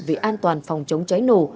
vì an toàn phòng chống cháy nổ